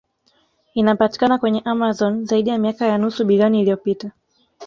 Inapatikana kwenye Amazon Zaidi ya miaka ya nusu bilioni iliyopita